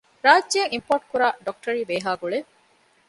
ރާއްޖެއަށް އިމްޕޯޓްކުރާ ޑޮކްޓަރީ ބޭހޭގުޅޭ